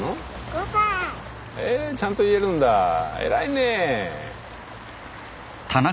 ５歳へぇちゃんと言えるんだ偉いね！